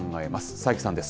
佐伯さんです。